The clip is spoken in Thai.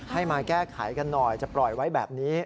ให้มาแก้ไขกันหน่อยจะปล่อยไว้แบบนี้